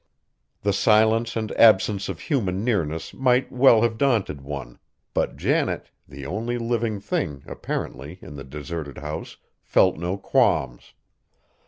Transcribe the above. The silence and absence of human nearness might well have daunted one; but Janet, the only living thing, apparently, in the deserted house, felt no qualms.